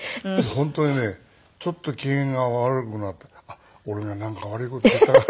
本当にねちょっと機嫌が悪くなったらあっ俺がなんか悪い事したかな。